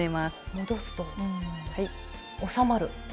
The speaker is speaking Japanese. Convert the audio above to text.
戻すと収まる。